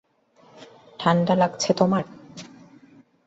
ঠান্ডা লাগছে তোমার?